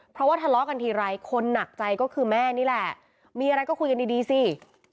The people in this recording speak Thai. เพราะว่าทะเลาะกันทีไรคนหนักใจก็คือแม่นี่แหละมีอะไรก็คุยกันดีดีสิ